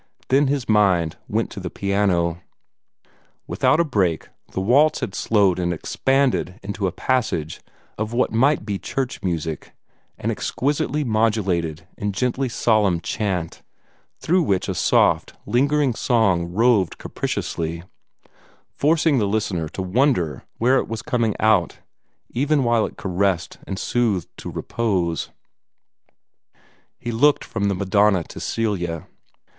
Then his mind went to the piano. Without a break the waltz had slowed and expanded into a passage of what might be church music, an exquisitely modulated and gently solemn chant, through which a soft, lingering song roved capriciously, forcing the listener to wonder where it was coming out, even while it caressed and soothed to repose. He looked from the Madonna to Celia.